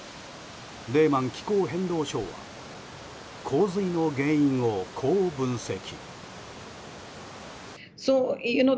レーマン気候変動相は洪水の原因をこう分析。